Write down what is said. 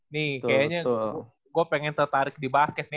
nih kayaknya gue pengen tertarik di basket